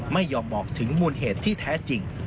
ไม่ยอมบอกถึงมูลเหตุที่แท้จริง